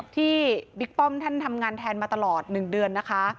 บิ๊กป้อมท่านทำงานแทนมาตลอด๑เดือนนะคะ